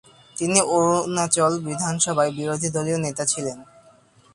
তিনি অরুণাচল বিধানসভায় বিরোধী দলীয় নেতা ছিলেন।